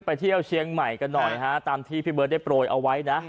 เที่ยวเชียงใหม่กันหน่อยฮะตามที่พี่เบิร์ตได้โปรยเอาไว้นะ